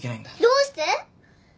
どうして？